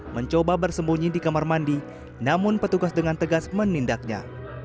mencoba bersembunyi di kamar mandi namun petugas dengan tegas menindaknya